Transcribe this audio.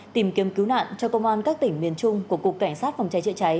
tìm kiếm cứu nạn cho công an các tỉnh miền trung của cục cảnh sát phòng cháy chữa cháy